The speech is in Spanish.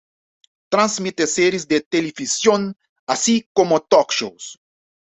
Transmite series de televisión, así como talk shows.